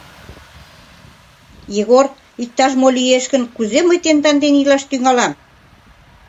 Егор иктаж-мо лиеш гын, кузе мый тендан дене илаш тӱҥалам?